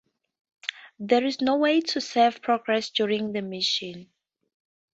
There is no way to save progress during the missions.